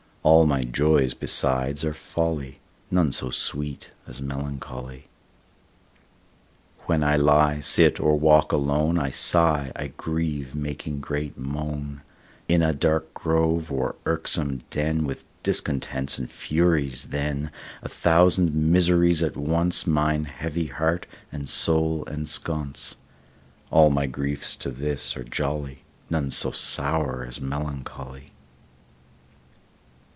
All my joys besides are folly, None so sweet as melancholy. When I lie, sit, or walk alone, I sigh, I grieve, making great moan, In a dark grove, or irksome den, With discontents and Furies then, A thousand miseries at once Mine heavy heart and soul ensconce, All my griefs to this are jolly, None so sour as melancholy.